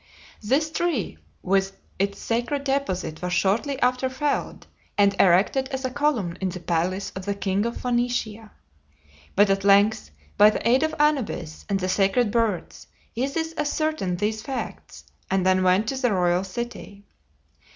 This tree with its sacred deposit was shortly after felled, and erected as a column in the palace of the king of Phoenicia. But at length by the aid of Anubis and the sacred birds, Isis ascertained these facts, and then went to the royal city.